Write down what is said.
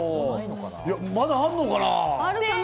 まだあるのかな？